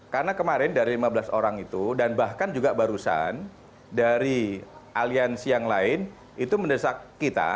karena kemarin dari lima belas orang itu dan bahkan juga barusan dari aliansi yang lain itu mendesak kita